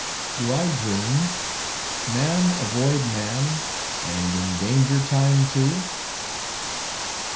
"Do I dream? Man avoid man? and in danger time, too."